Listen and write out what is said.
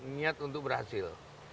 niat untuk berhasil